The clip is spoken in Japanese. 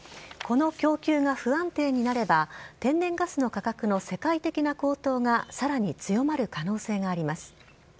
この供給が不安定になれば、天然ガスの価格の世界的な高騰がさらに強まる可能性があります。